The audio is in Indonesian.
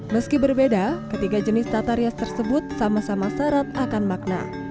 meski berbeda ketiga jenis tata rias tersebut sama sama syarat akan makna